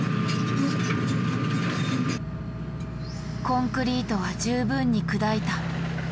コンクリートは十分に砕いた。